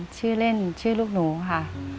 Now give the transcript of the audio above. ชื่อเล่นชื่อลูกหนูค่ะ